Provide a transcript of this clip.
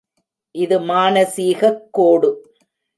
இது மானசீகக் கோடு.